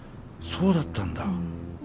そうだったんだ。